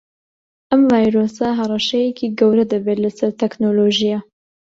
ئەم ڤایرۆسە هەڕەشەیەکی گەورە دەبێت لەسەر تەکنەلۆژیا